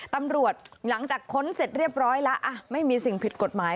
ตำรวจหลังจากค้นเสร็จเรียบร้อยแล้วไม่มีสิ่งผิดกฎหมาย